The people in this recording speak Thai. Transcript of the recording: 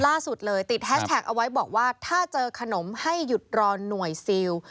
ล่าสุดเลยติดแฮชแท็กเอาไว้บอกว่าถ้าเจอขนมให้หยุดรอหน่วยซิล